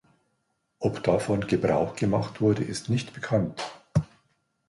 Ob davon Gebrauch gemacht wurde, ist nicht bekannt.